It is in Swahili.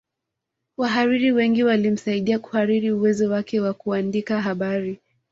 Wahariri wengi walimsaidia kuhariri uwezo wake wa kuandika habari